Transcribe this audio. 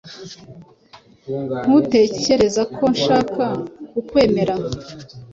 Ntutekereza ko nshaka kukwemera?